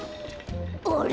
あれ？